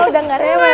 udah gak rewel ya